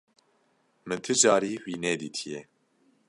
Min ti carî wî nedîtiye.